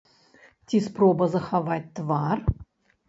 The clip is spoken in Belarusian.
Ці спроба захаваць твар?